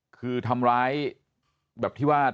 คือทำร้ายแบบที่ว่า